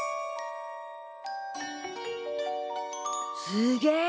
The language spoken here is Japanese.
すげえ！